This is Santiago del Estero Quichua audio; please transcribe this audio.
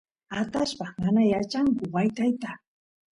atallpas mana yachanku wytayta